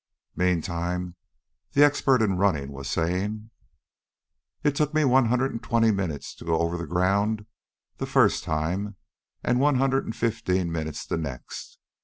Meantime the expert in running was saying: "It took me one hundred and twenty minutes to go over the ground the first time, and one hundred and fifteen minutes the next.